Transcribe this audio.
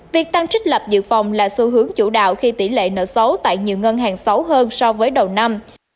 việc tăng trích lập dự phòng là xu hướng chủ đạo khi tỷ lệ nợ xấu tại nhiều ngân hàng xấu hơn so với đầu năm